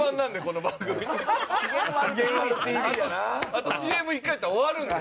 あとＣＭ１回やったら終わるんで。